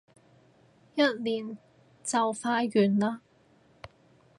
一年就快完嘞